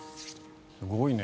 すごいね。